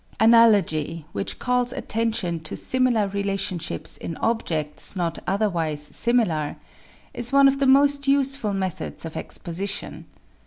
=Analogy=, which calls attention to similar relationships in objects not otherwise similar, is one of the most useful methods of exposition.